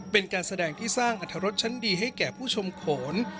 เป็นการแสดงที่สร้างอรรถรสชั้นดีให้แก่ผู้ชมโขน